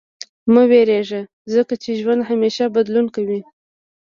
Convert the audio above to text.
• مه وېرېږه، ځکه چې ژوند همېشه بدلون کوي.